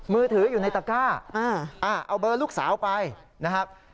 มือถืออยู่ในตะก้าเอาเบอร์ลูกสาวไปนะครับ